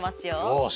よし！